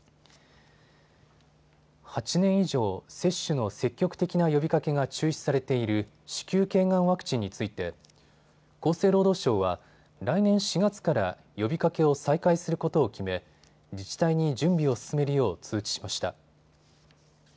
８年以上、接種の積極的な呼びかけが中止されている子宮頸がんワクチンについて厚生労働省は来年４月から呼びかけを再開することを決め自治体に準備を進めるよう通知しました。